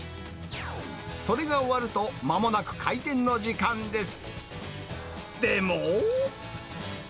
それが終わると、まもなく開店の時間です。